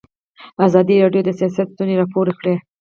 ازادي راډیو د سیاست ستونزې راپور کړي.